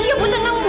ya bu tenang bu